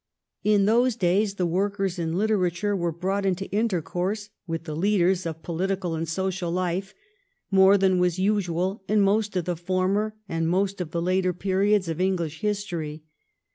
In those days the workers in literature were brought into intercourse with the leaders of political and social life more than was usual in most of the former and most of the later periods of English history.